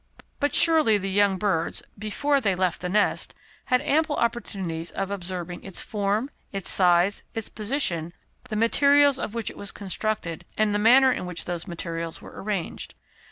But surely the young birds before they left the nest had ample opportunities of observing its form, its size, its position, the materials of which it was constructed, and the manner in which those materials were arranged.